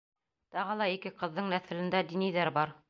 Тағы ла ике ҡыҙҙың нәҫелендә диниҙәр бар.